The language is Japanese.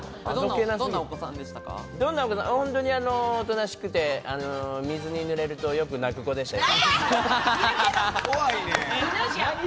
本当におとなしくて、水にぬれるとよく泣く子でしたよ。